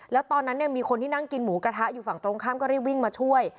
แล้วตอนนั้นเนี่ยมีคนที่นั่งกินหมูกระทะอยู่ฝั่งตรงข้ามก็รีบวิ่งมาช่วย